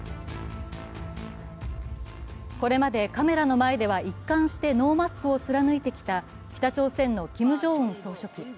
これまでカメラの前では一貫してノーマスクを貫いてきた北朝鮮のキム・ジョンウン総書記。